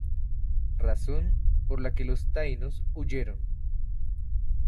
Razón por la que los Taínos huyeron.